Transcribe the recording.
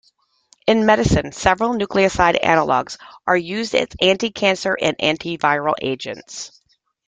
In medicine, several nucleoside analogues are used as anticancer and antiviral agents.